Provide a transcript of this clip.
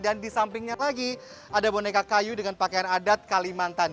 dan di sampingnya lagi ada boneka kayu dengan pakaian adat kalimantan